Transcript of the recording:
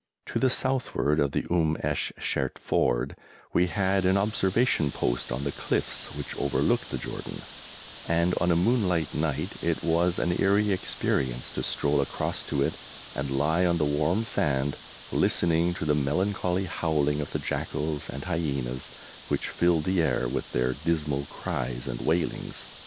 To the southward of the Umm esh Shert Ford we had an observation post on the cliffs which overlooked the Jordan, and on a moonlight night it was an eerie experience to stroll across to it and lie on the warm sand, listening to the melancholy howling of the jackals and hyenas which filled the air with their dismal cries and wailings.